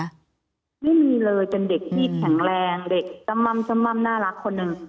ไม่มีเลยเป็นเด็กที่แข็งแรงเด็กส้มม่ำน่ารักคนหนึ่ง